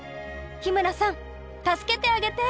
日村さん助けてあげて！